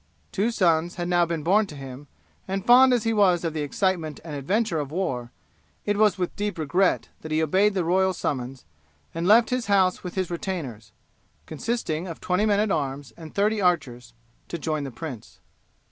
Two sons had now been born to him, and fond as he was of the excitement and adventure of war, it was with deep regret that he obeyed the royal summons, and left his house with his retainers, consisting of twenty men at arms and thirty archers, to join the prince.